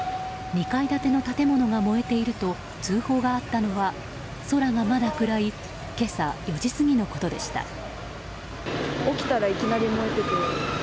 ２階建ての建物が燃えていると通報があったのは空がまだ暗い今朝４時過ぎのことでした。